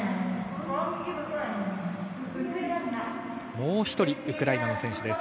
もう１人、ウクライナの選手です。